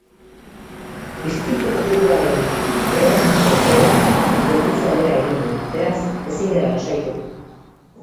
Istripu kopuruaren beheranzko joerak gelditze aldera egin du, beraz ezin gara lasaitu.